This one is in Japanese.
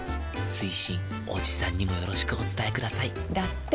追伸おじさんにもよろしくお伝えくださいだって。